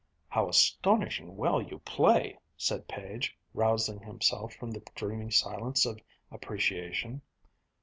"How astonishingly well you play," said Page, rousing himself from the dreamy silence of appreciation.